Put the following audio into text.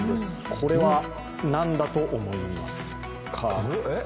これは何だと思いますか？